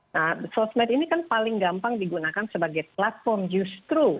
nah sosmed ini kan paling gampang digunakan sebagai platform justru